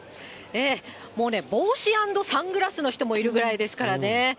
もうね、帽子＆サングラスの人もいるぐらいですからね。